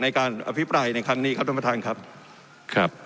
ในการอภิปรายในคันนี้ครับท่านประทานครับท่านประทานครับ